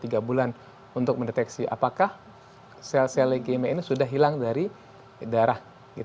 tiga bulan untuk mendeteksi apakah sel sel legime ini sudah hilang dari darah